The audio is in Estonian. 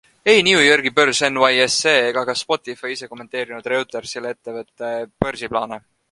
Ei New Yorgi börs NYSE ega ka Spotify ise kommenteerinud Reutersile ettevõtte börsiplaane.